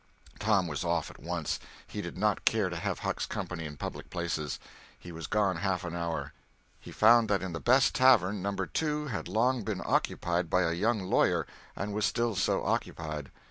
Tom was off at once. He did not care to have Huck's company in public places. He was gone half an hour. He found that in the best tavern, No. 2 had long been occupied by a young lawyer, and was still so occupied.